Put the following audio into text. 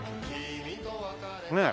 ねえ。